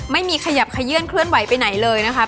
ไม่มีขยับขยื่นเคลื่อนไหวไปไหนเลยนะคะ